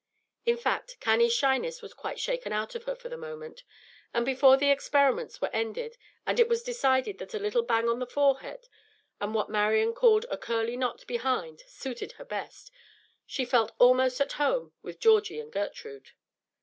In fact, Cannie's shyness was quite shaken out of her for the moment; and before the experiments were ended, and it was decided that a little bang on the forehead, and what Marian called a "curly knot" behind, suited her best, she felt almost at home with Georgie and Gertrude.